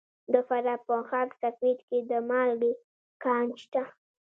د فراه په خاک سفید کې د مالګې کان شته.